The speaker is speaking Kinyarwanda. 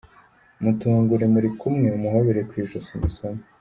Mutungure muri kumwe umuhobere ku ijosi umusome.